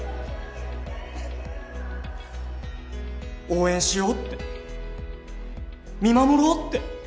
応援しようって見守ろうって。